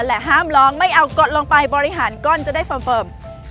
และห้ามร้องไม่เอากดลงไปบริหารก้อนจะได้เฟิร์ม